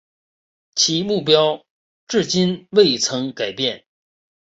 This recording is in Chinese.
其目标至今未曾改变。